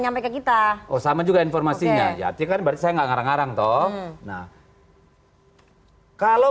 nyampe ke kita oh sama juga informasinya yatikan berarti saya enggak ngarang ngarang toh nah kalau